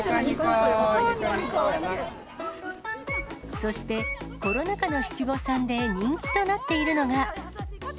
そして、コロナ禍の七五三で人気となっているのが。